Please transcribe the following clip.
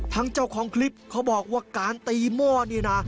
เจ้าของคลิปเขาบอกว่าการตีหม้อนี่นะ